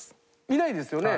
いないですよね？